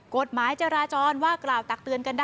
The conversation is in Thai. กฎหมายจะราจรว่ากราวตักเตือน